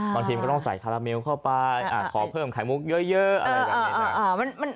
บางทีมันก็ต้องใส่คาราเมลเข้าไปขอเพิ่มไข่มุกเยอะอะไรแบบนี้